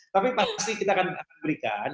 tapi pasti kita akan berikan